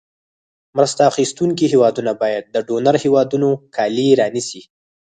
مرسته اخیستونکې هېوادونو باید د ډونر هېوادونو کالي رانیسي.